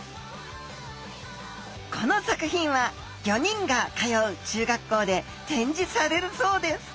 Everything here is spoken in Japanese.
この作品は５人が通う中学校で展示されるそうです。